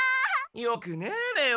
よくねえべよ！